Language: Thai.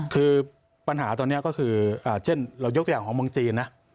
คือปัญหาตอนนี้ก็คือเช่นเรายกอย่างของเมืองจีนนะ